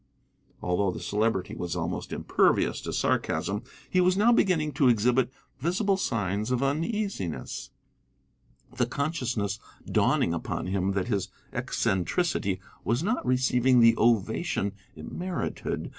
Although the Celebrity was almost impervious to sarcasm, he was now beginning to exhibit visible signs of uneasiness, the consciousness dawning upon him that his eccentricity was not receiving the ovation it merited.